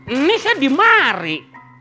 ini saya dimari